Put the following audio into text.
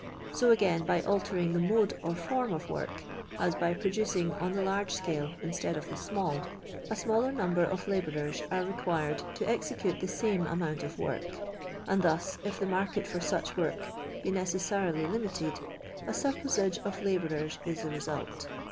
So, again, by altering the moiU or foiiii of work, as by producing on the large scale, instead of tlie small, a smaller number of labourers arc required to execute the same amount of work; and thus (if the market for such work be necessarily limited) a surplusage of labourers is the result.